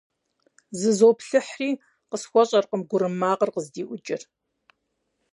Зызоплъыхьри, къысхуэщӀэркъым гурым макъыр къыздиӀукӀыр.